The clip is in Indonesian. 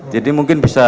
jadi mungkin bisa